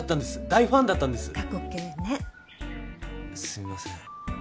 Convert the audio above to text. すみません。